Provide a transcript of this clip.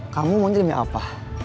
kamu mau demi apa